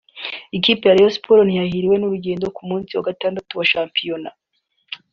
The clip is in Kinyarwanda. Ikipe ya Rayon Sports ntiyahiriwe n’urugendo ku munsi wa Gatatu wa shampiyona